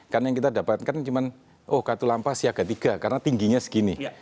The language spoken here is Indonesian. karena yang kita dapatkan cuma oh katulampa siaga tiga karena tingginya segini